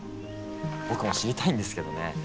僕も知りたいんですけどね